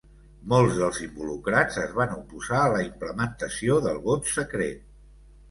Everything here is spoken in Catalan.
Molts dels involucrats es van oposar a la implementació del vot secret.